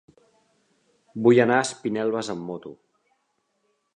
Vull anar a Espinelves amb moto.